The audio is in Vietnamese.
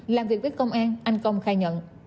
làm việc với công an anh công khai nhận